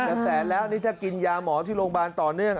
แต่แสนแล้วนี่ถ้ากินยาหมอที่โรงพยาบาลต่อเนื่อง